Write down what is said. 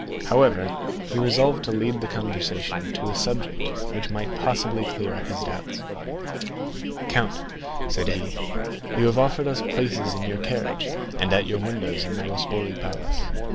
However, he resolved to lead the conversation to a subject which might possibly clear up his doubts. "Count," said he, "you have offered us places in your carriage, and at your windows in the Rospoli Palace.